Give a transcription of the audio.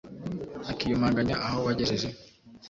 Akiyumanganya aho wagejeje ?